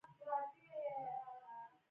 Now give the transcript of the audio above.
د هغه ذهن د امکاناتو څخه ډک شو